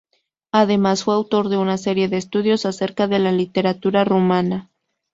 Además, fue autor de una serie de estudios acerca de la literatura rumana.